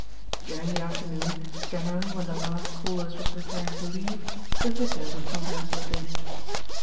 During the afternoon, generally when the last callers were preparing to leave, the vicar would sometimes look in.